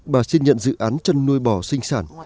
bà xin nhận dự án chăn nuôi bò sinh sản